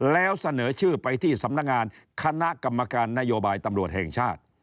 แล้วเสนอชื่อไปที่สำนักงานคณะกรรมการนโยบายตำรวจแห่งชาติ